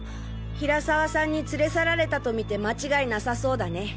平沢さんに連れ去られたと見て間違いなさそうだね。